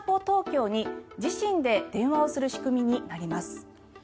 東京に自身で電話をする仕組みになります。